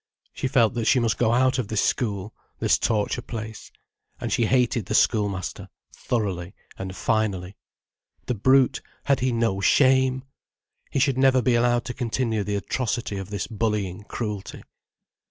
She felt that she must go out of this school, this torture place. And she hated the schoolmaster, thoroughly and finally. The brute, had he no shame? He should never be allowed to continue the atrocity of this bullying cruelty.